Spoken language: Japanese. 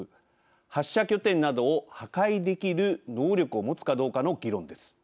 発射拠点などを破壊できる能力を持つかどうかの議論です。